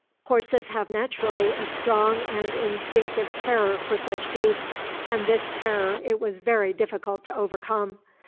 Horses have naturally a strong and instinctive terror for such beasts, and this terror it was very difficult to overcome.